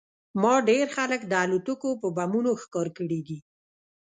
ما ډېر خلک د الوتکو په بمونو ښکار کړي دي